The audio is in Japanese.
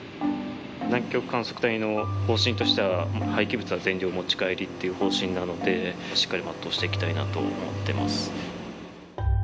南極観測隊の方針としては廃棄物は全量持ち帰りっていう方針なのでしっかり全うしていきたいなと思ってます。